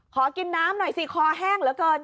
ขอกินน้ำหน่อยสิคอแห้งเหลือเกิน